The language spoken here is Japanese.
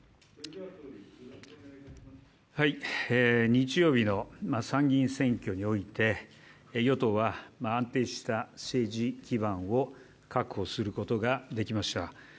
日曜日の参議院選挙において与党は安定した政治基盤を確保することができました。